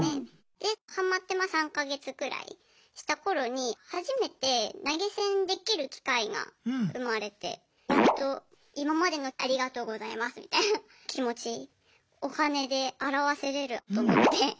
でハマってまあ３か月くらいした頃に初めて投げ銭できる機会が生まれてやっと今までの「ありがとうございます」みたいな気持ちお金で表せれると思って。